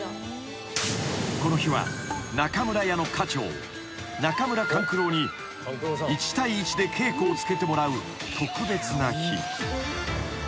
［この日は中村屋の家長中村勘九郎に一対一で稽古をつけてもらう特別な日］